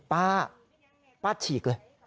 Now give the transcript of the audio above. ป้าป้าฉีกเลย